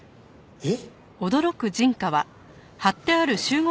えっ！？